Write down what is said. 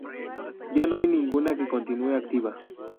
Ya no hay ninguna que continúe activa.